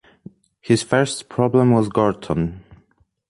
His first problem was Gorton.